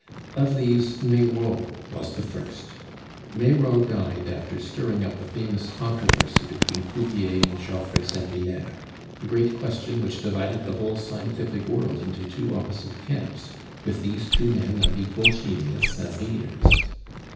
Of these, Meyraux was the first. Meyraux died after stirring up the famous controversy between Cuvier and Geoffroy Saint Hilaire, a great question which divided the whole scientific world into two opposite camps, with these two men of equal genius as leaders.